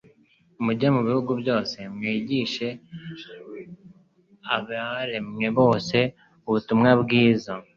« Mujye mu bihugu byose, mwigishe abaremwe bose ubutumwa bwiza.'»